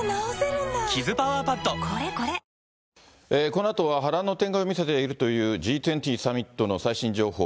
このあとは波乱の展開を見せているというＧ２０サミットの最新情報。